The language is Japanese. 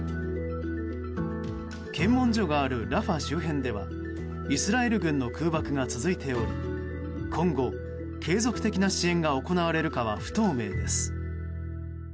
検問所があるラファ周辺ではイスラエル軍の空爆が続いており今後、継続的な支援が行われるかは不透明です。